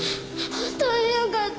本当によかった。